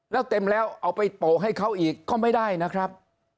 แล้วเต็มแล้วเอาไปโปะให้เขาอีกก็ไม่ได้นะครับ